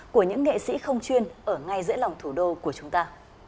của những nghệ sĩ không chuyên ở ngay giữa lòng thủ đô của chúng ta